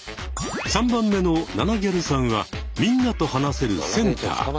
３番目のナナぎゃるさんはみんなと話せるセンター。